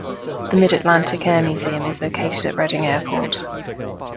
The Mid-Atlantic Air Museum is located at Reading Airport.